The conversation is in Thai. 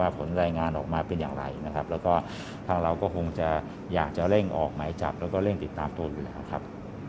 ผลรายงานออกมาเป็นอย่างไรนะครับแล้วก็ทางเราก็คงจะอยากจะเร่งออกหมายจับแล้วก็เร่งติดตามตัวอยู่แล้วครับ